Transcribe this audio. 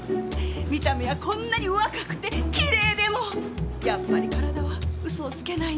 見た目はこんなに若くてきれいでもやっぱり体は嘘をつけないんですねぇ。